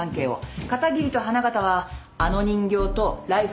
片桐と花形はあの人形とライフルの出どころ。